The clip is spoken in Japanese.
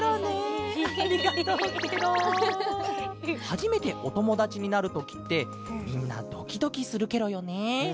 はじめておともだちになるときってみんなドキドキするケロよね。